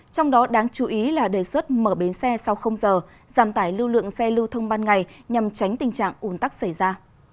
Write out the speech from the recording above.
trong đó đáng chú ý là đề xuất mở bến xe sau không giờ giảm tải lưu lượng xe lưu thông ban ngày nhằm tránh tình trạng ủn tắc xảy ra